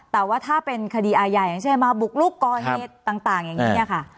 แต่ว่าถ้าเป็นคดีอาญาอย่างเช่นมาบุกลุกก่อเหตุต่างอย่างนี้ค่ะ